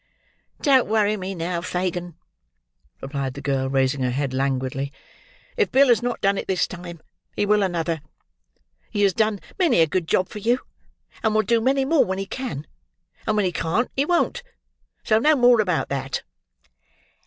"Don't worry me now, Fagin!" replied the girl, raising her head languidly. "If Bill has not done it this time, he will another. He has done many a good job for you, and will do many more when he can; and when he can't he won't; so no more about that."